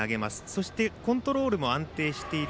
そしてコントロールも安定している。